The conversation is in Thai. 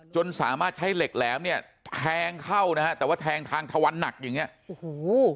จนสามารถใช้เหล็กแหลมเนี่ยแทงเข้านะฮะแต่ว่าแทงทางทะวันหนักอย่างเงี้ยโอ้โห